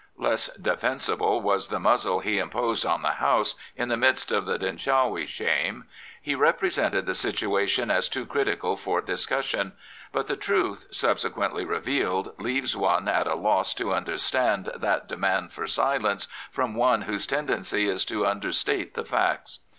Less defensible was the muzzle he imposed on the House in the midst of the Denshawi shame. He re presented the situation as too critical for discussion; but the truth, subsequently revealed, leaves one at a loss to understand that demand for silence from one whose tendency is to understate the facts.